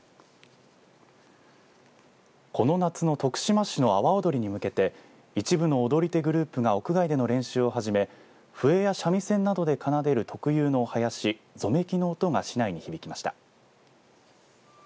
この夏の徳島市の阿波おどりに向けて一部の踊り手グループが屋外での練習を始め笛や三味線などで奏でる特有のお囃子ぞめきの音が市内に響きました。